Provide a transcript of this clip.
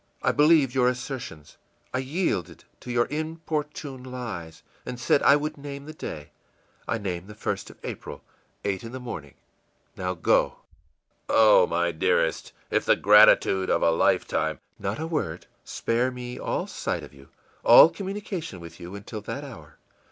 I believed your assertions, I yielded to your importune lies, and said I would name the day. I name the 1st of April eight in the morning. NOW GO!î ìOh, my dearest, if the gratitude of a lifetime î ìNot a word. Spare me all sight of you, all communication with you, until that hour.